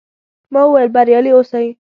ما وویل، بریالي اوسئ.